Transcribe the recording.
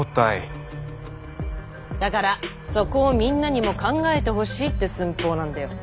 だからそこをみんなにも考えてほしいって寸法なんだよ！